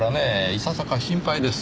いささか心配です。